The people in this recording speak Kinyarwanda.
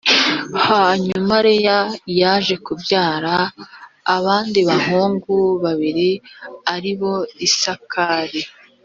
hanyuma leya yaje kubyara abandi bahungu babiri ari bo isakari